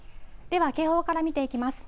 では警報から見ていきます。